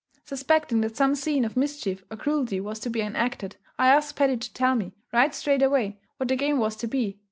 Suspecting that some scene of mischief or cruelty was to be enacted, I asked Paddy to tell me, right straight away, what the game was to be.